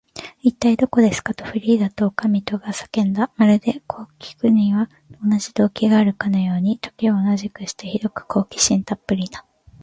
「いったい、どこですか？」と、フリーダとおかみとが叫んだ。まるで、こうきくのには同じ動機があるかのように、時を同じくして、ひどく好奇心たっぷりな